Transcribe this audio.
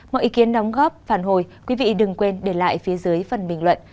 mọi ý kiến đóng góp phản hồi quý vị đừng quên để lại phía dưới phần bình luận